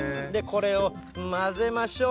これを混ぜましょう。